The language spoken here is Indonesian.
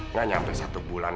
nggak nyampe satu bulan